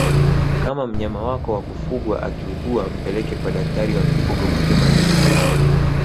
Kama mnyama wako wa kufugwa akiugua mpeleke kwa daktari wa mifugo mapema iwezekanavyo